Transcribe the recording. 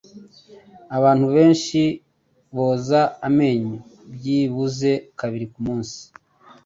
Abantu benshi boza amenyo byibuze kabiri kumunsi.